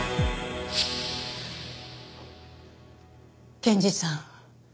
検事さん。